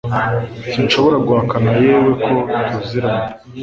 Sinshobora guhakana yewe ko tuziranye